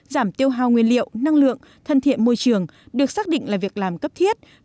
giảm tiêu hao nguyên liệu năng lượng thân thiện môi trường được xác định là việc làm cấp thiết